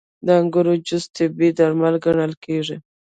• د انګورو جوس طبیعي درمل ګڼل کېږي.